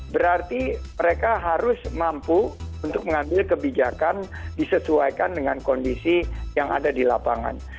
berarti mereka harus mampu untuk mengambil kebijakan disesuaikan dengan kondisi yang ada di lapangan